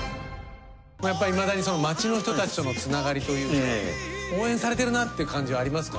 やっぱいまだに街の人たちとのつながりというか応援されてるなって感じありますか？